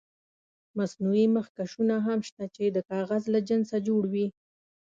مصنوعي مخکشونه هم شته چې د کاغذ له جنسه جوړ وي.